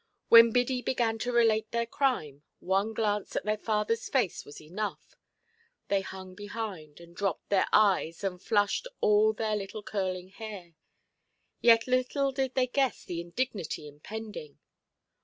When Biddy began to relate their crime, one glance at their fatherʼs face was enough; they hung behind, and dropped their eyes, and flushed all under their curling hair. Yet little did they guess the indignity impending.